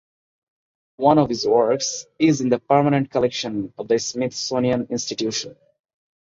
One of his works is in the permanent collection of the Smithsonian Institution.